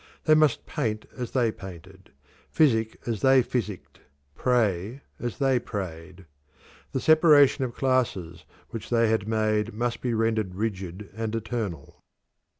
They must paint as they painted, physic as they physicked, pray as they prayed. The separation of classes which they had made must be rendered rigid and eternal.